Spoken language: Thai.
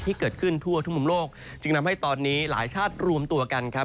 ที่เกิดขึ้นทั่วทุกมุมโลกจึงทำให้ตอนนี้หลายชาติรวมตัวกันครับ